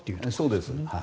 そうです。